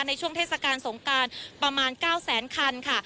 ในช่วงเทศกาลสงการประมาณ๙๐๐๐๐๐คันค่ะ